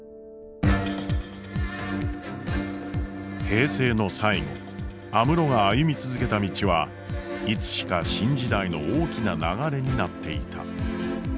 平成の最後安室が歩み続けた道はいつしか新時代の大きな流れになっていた。